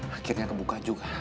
akhirnya kebuka juga